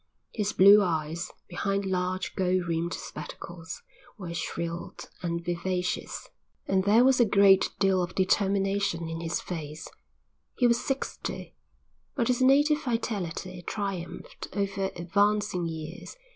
His blue eyes, behind large gold rimmed spectacles, were shrewd and vivacious, and there was a great deal of determination in his face. He was sixty, but his native vitality triumphed over advancing years.